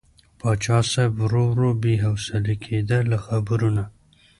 پاچا صاحب ورو ورو بې حوصلې کېده له خبرو نه.